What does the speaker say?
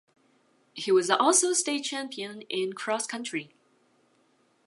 He was also state champion in cross country.